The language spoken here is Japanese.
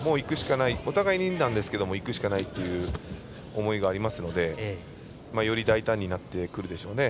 お互いになんですがいくしかないという思いがありますのでより大胆になってくるでしょうね。